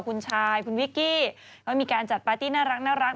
คุณชายคุณวิกกี้เขามีการจัดปาร์ตี้น่ารัก